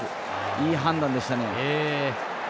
いい判断でしたね。